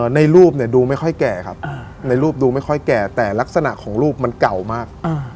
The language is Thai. ในรูปเนี่ยดูไม่ค่อยแก่ครับในรูปดูไม่ค่อยแก่แต่ลักษณะของรูปมันเก่ามาก